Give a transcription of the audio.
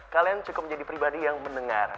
kalian cukup menjadi pribadi yang mendengar